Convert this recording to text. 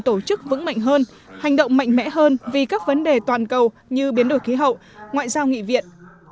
tổ chức vững mạnh hơn hành động mạnh mẽ hơn vì các vấn đề toàn cầu như biến đổi khí hậu ngoại giao nghị viện